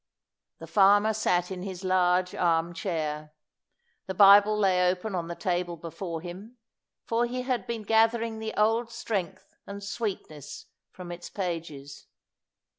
The farmer sat in his large arm chair. The Bible lay open on the table before him, for he had been gathering the old strength and sweetness from its pages.